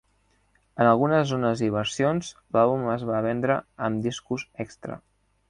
En algunes zones i versions, l'àlbum es va vendre amb discos extra.